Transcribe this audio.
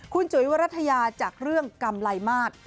คุณจุ๋ยวรัฐยาจากเรื่องกำไรมาศ